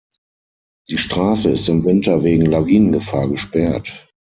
Die Strasse ist im Winter wegen Lawinengefahr gesperrt.